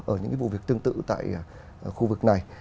ở những vụ việc tương tự tại khu vực này